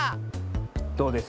どうです？